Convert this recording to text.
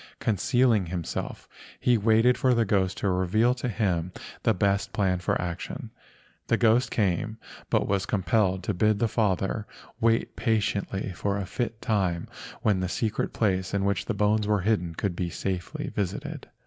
Concealing himself he waited for the ghost to reveal to him the best plan for action. The ghost came, but was com¬ pelled to bid the father wait patiently for a fit time when the secret place in which the bones were hidden could be safely visited.